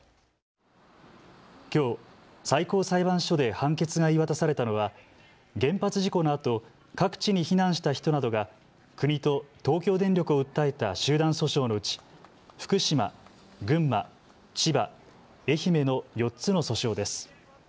きょう最高裁判所で判決が言い渡されたのは原発事故のあと各地に避難した人などが国と東京電力を訴えた集団訴訟のうち福島、群馬、千葉、愛媛の４つの訴訟です。